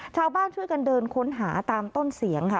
ชาวบ้านช่วยกันเดินค้นหาตามต้นเสียงค่ะ